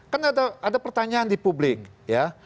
kan ada pertanyaan di publik ya